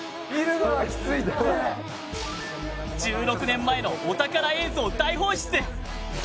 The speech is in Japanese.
１６年前のお宝映像大放出！